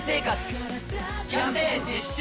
キャンペーン実施中！